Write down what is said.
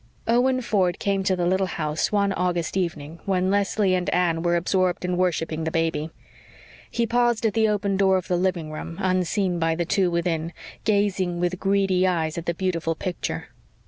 Owen Ford came to the little house one August evening when Leslie and Anne were absorbed in worshipping the baby. He paused at the open door of the living room, unseen by the two within, gazing with greedy eyes at the beautiful picture.